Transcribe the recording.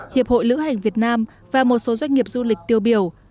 hiệp hội lữ hành việt nam và một số doanh nghiệp du lịch tiêu biểu